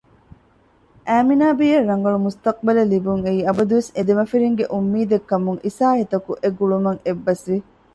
އައިމިނާބީއަށް ރަނގަޅު މުސްތަޤުބަލެއް ލިބުންއެއީ އަބަދުވެސް އެދެމަފިރިންގެ އުންމީދެއްކަމުން އިސާހިތަކު އެގުޅުމަށް އެއްބަސްވި